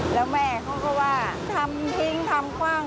แล้วแม่เขาก็ว่าทำทิ้งทำกว้าง